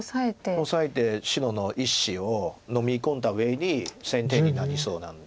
オサえて白の１子をのみ込んだうえに先手になりそうなんで。